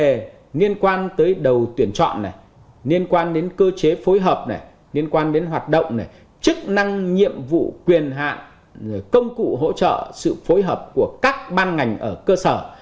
các vấn đề liên quan tới đầu tuyển chọn liên quan đến cơ chế phối hợp này liên quan đến hoạt động này chức năng nhiệm vụ quyền hạn công cụ hỗ trợ sự phối hợp của các ban ngành ở cơ sở